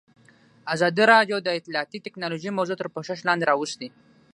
ازادي راډیو د اطلاعاتی تکنالوژي موضوع تر پوښښ لاندې راوستې.